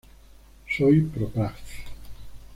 Soy pro-paz.